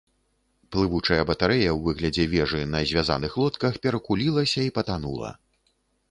Плывучая батарэя ў выглядзе вежы на звязаных лодках перакулілася і патанула.